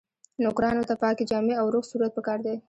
نوکرانو ته پاکې جامې او روغ صورت پکار دی.